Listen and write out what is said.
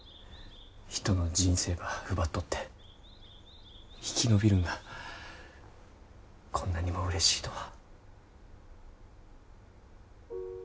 人の人生ば奪っとって生き延びるんがこんなにもうれしいとは。